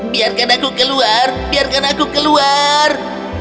biarkan aku keluar biarkan aku keluar